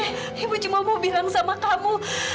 eh ibu cuma mau bilang sama kamu